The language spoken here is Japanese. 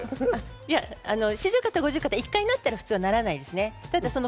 四十肩、五十肩１回なった方はならないですね。